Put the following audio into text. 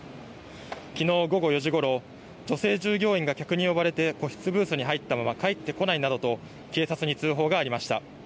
きのう午後４時ごろ女性従業員が客に呼ばれて個室ブースに入ったまま帰ってこないなどと警察に通報がありました。